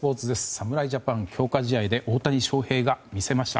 侍ジャパン、強化試合で大谷翔平が魅せました。